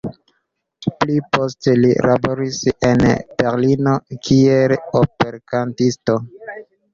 Pli poste li laboris en Berlino kiel operkantisto.